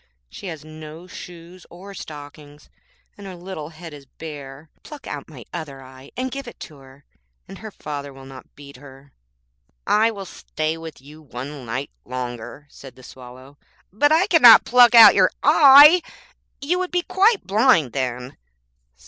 She has no shoes or stockings, and her little head is bare. Pluck out my other eye, and give it to her, and her father will not beat her. 'I will stay with you one night longer,' said the Swallow,'but I cannot pluck out your eye. You would be quite blind then.'